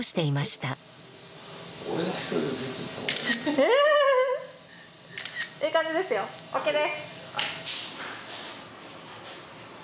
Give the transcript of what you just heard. ええ感じですよＯＫです！